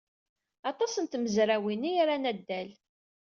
Aṭas n tmezrawin ay iran addal.